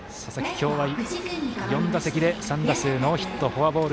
今日は４打席で３打数ノーヒットフォアボール